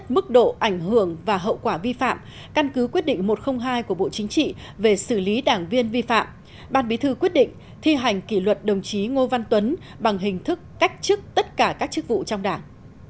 ban bí thư quyết định một trăm linh hai của bộ chính trị về xử lý đảng viên vi phạm ban bí thư quyết định thi hành kỷ luật đồng chí ngô văn tuấn bằng hình thức cách chức tất cả các chức vụ trong đảng